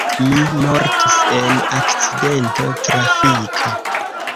Mi mortis en akcidento trafika.